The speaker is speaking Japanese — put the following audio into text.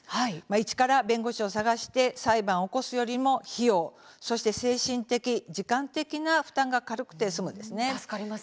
一から弁護士を探して裁判を起こすより費用そして精神的、時間的な負担が軽くて済むんです。